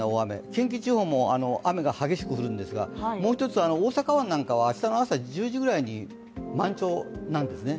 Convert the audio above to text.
近畿地方も雨が激しく降るんですがもう一つは大阪湾なんかは明日の朝１０時ぐらいに満潮になるんですね。